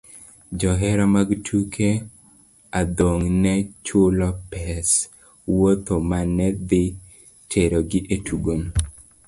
Johera mag tuke adhong' ne chulo pes wuoth ma ne dhi terogi e tugono.